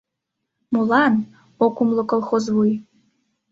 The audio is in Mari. — Молан? — ок умыло колхоз вуй.